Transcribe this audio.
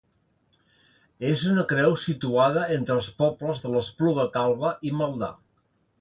És una creu situada entre els pobles de l'Espluga Calba i Maldà.